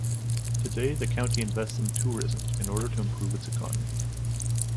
Today the county invests in tourism in order to improve its economy.